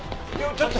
ちょっと！